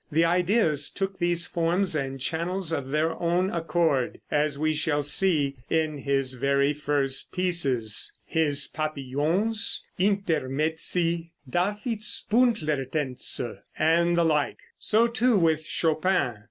The ideas took these forms and channels of their own accord, as we see in his very first pieces, his "Papillons," "Intermezzi," "Davidsbundlertänze" and the like. So, too, with Chopin.